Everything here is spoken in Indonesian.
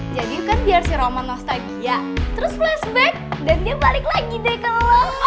jadi kan biar si roman nostalgia terus flashback dan dia balik lagi deh ke lo